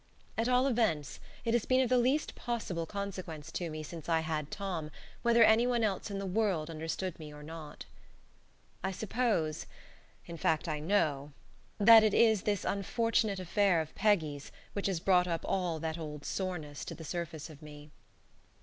At all events, it has been of the least possible consequence to me since I had Tom, whether any one else in the world understood me or not. I suppose in fact, I know that it is this unfortunate affair of Peggy's which has brought up all that old soreness to the surface of me.